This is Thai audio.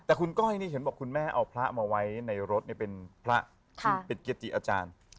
แต่คุณก้อยนี่เห็นบอกคุณแม่เอาพระมาไว้ในรถเป็นพระที่เป็นเกจิอาจารย์